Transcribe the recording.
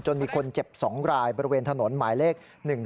มีคนเจ็บ๒รายบริเวณถนนหมายเลข๑๒